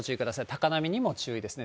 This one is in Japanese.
高波にも注意ですね。